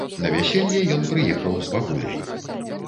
На вяселле ён прыехаў з бабуляй.